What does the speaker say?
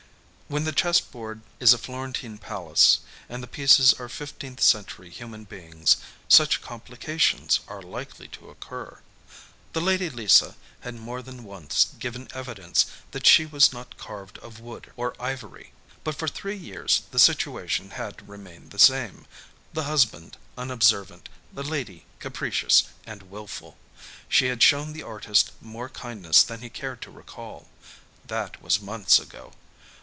When the chess board is a Florentine palace, and the pieces are fifteenth century human beings, such complications are likely to occur. The Lady Lisa had more than once given evidence that she was not carved of wood or ivory. But for three years the situation had remained the same the husband unobservant, the lady capricious and wilful. She had shown the artist more kindness than he cared to recall. That was months ago.